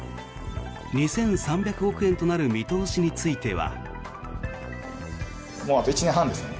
２３００億円となる見通しについては。